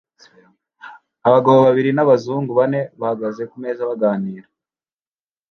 Abagabo babiri n'abazungu bane bahagaze kumeza baganira